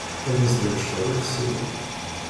Ad s-d-nenced ixṣimen.